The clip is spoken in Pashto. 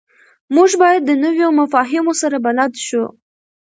موږ باید د نویو مفاهیمو سره بلد شو.